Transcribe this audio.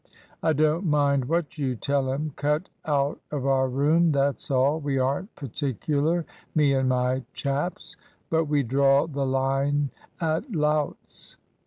"I don't mind what you tell him. Cut out of our room, that's all. We aren't particular, me and my chaps; but we draw the line at louts."